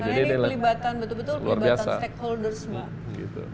ini betul betul kelibatan stakeholders mbak